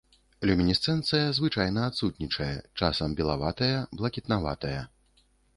Люмінесцэнцыя звычайна адсутнічае, часам белаватая, блакітнаватая.